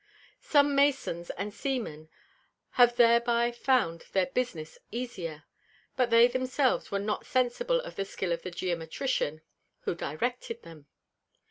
Some Masons and Seamen have thereby found their Business easier, but they themselves were not sensible of the Skill of the Geometrician who directed them.